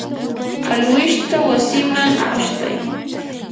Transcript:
alwishta wasiman ashtay.